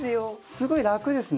すごい楽ですね。